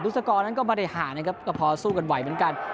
สกอร์นั้นก็ไม่ได้ห่างนะครับก็พอสู้กันไหวเหมือนกัน